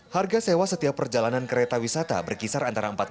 harga sewa setiap perjalanan kereta wisata berkisar antara